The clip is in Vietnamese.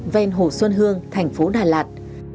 ven hồ xuân hương thành phố đà lạt